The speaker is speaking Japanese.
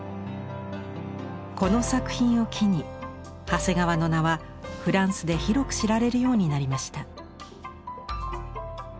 この作品を機に長谷川の名はフランスで広く知られるようになりました。